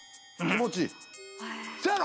せやろ。